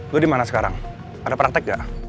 lu dimana sekarang ada praktek gak